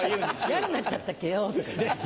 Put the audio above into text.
「嫌になっちゃったっけよ」とかね。